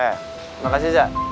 ya makasih zak